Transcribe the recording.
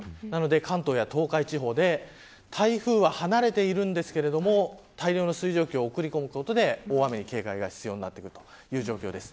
関東や、東海地方で台風は離れているんですけど大量の水蒸気を送り込むことで大雨に警戒が必要になるという状況です。